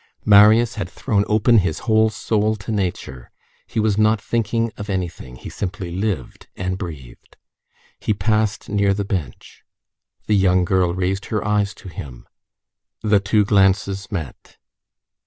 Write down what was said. Marius had thrown open his whole soul to nature, he was not thinking of anything, he simply lived and breathed, he passed near the bench, the young girl raised her eyes to him, the two glances met.